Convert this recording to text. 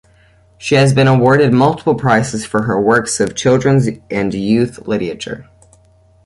She has been awarded multiple prizes for her works of children's and youth literature.